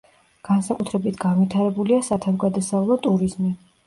განსაკუთრებით განვითარებულია სათავგადასავლო ტურიზმი.